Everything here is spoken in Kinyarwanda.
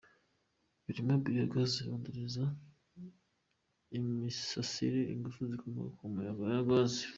Birimo Biogaz, rondereza, imirasire, ingufu zikomoka ku muyaga na gaz.